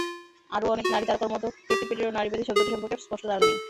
আরও অনেক নারী তারকার মতো কেটি পেরিরও নারীবাদী শব্দটি সম্পর্কে স্পষ্ট ধারণা নেই।